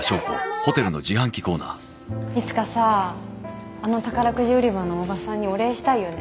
いつかさあの宝くじ売り場のおばさんにお礼したいよね